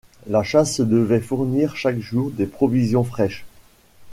La chasse devait fournir chaque jour des provisions fraîches.